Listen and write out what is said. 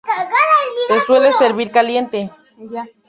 Se suele servir caliente.